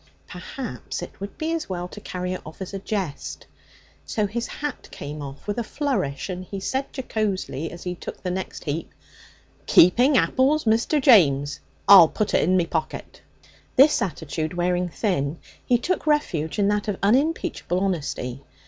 Perhaps it would be as well to carry it off as a jest? So his hat came off with a flourish, and he said jocosely as he took the next heap, 'Keeping apples, Mr. James. I'll put it in me pocket!' This attitude wearing thin, he took refuge in that of unimpeachable honesty.